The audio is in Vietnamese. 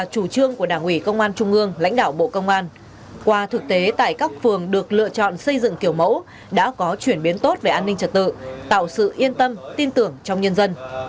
với đảo bộ công an qua thực tế tại các phường được lựa chọn xây dựng kiểu mẫu đã có chuyển biến tốt về an ninh trật tự tạo sự yên tâm tin tưởng trong nhân dân